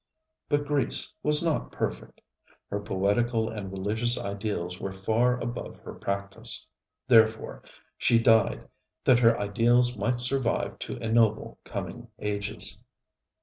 But Greece was not perfect. Her poetical and religious ideals were far above her practice; therefore she died, that her ideals might survive to ennoble coming ages.